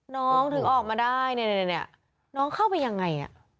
น้องถึงออกมาได้เนี่ยน้องเข้าไปยังไง